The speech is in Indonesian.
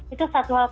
itu satu alasan